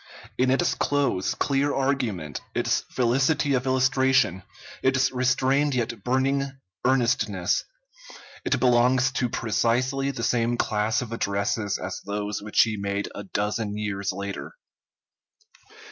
In its close, clear argument, its felicity of illustration, its restrained yet burning earnestness, it belongs to precisely the same class of addresses as those which he made a dozen years later.